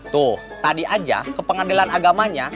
tuh tadi aja ke pengadilan agamanya